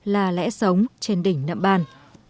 là lẽ sống trên đỉnh nậm bàn